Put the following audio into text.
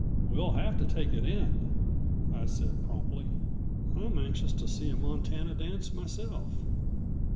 "We'll have to take it in," I said promptly. "I'm anxious to see a Montana dance, myself."